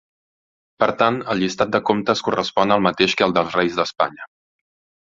Per tant, el llistat de comtes correspon al mateix que al dels reis d'Espanya.